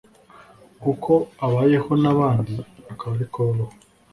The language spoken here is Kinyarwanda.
uko abayeho n’abandi akaba ariko babaho